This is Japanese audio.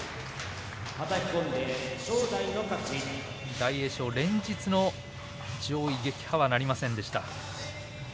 大栄翔、連日の上位撃破はなりませんでした。